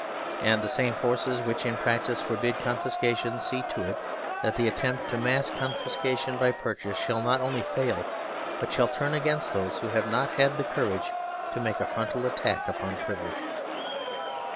And the same forces which in practice forbid confiscation see to it that the attempt to mask con fiscation by purchase shall not only fail, but shall 182 SERVILE STATE HAS BEGUN turn against those who have not had the courage to make a frontal attack upon privilege.